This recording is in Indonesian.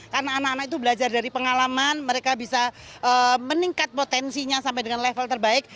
karena anak anak itu belajar dari pengalaman mereka bisa meningkat potensinya sampai dengan level terbaik